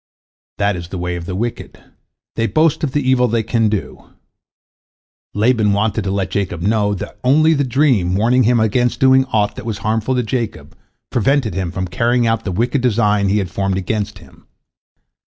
That is the way of the wicked, they boast of the evil they can do. Laban wanted to let Jacob know that only the dream warning him against doing aught that was harmful to Jacob prevented him from carrying out the wicked design he had formed against him.